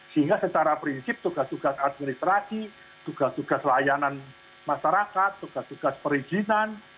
sehingga secara prinsip tugas tugas administrasi tugas tugas layanan masyarakat tugas tugas perizinan